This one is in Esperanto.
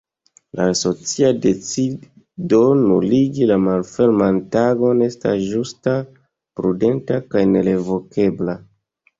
La asocia decido nuligi la Malferman Tagon estas ĝusta, prudenta kaj ne-revokebla.